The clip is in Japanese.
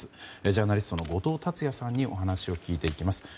ジャーナリストの後藤達也さんにお話を聞いていきます。